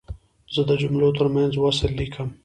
زه د جملو ترمنځ وصل لیکم.